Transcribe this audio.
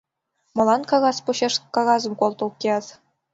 Молан кагаз почеш кагазым колтыл кият?